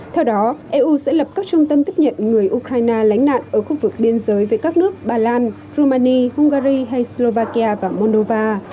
theo đó eu sẽ lập các trung tâm tiếp nhận người ukraine lánh nạn ở khu vực biên giới với các nước bà lan rumani hungary hay slovakia và moldova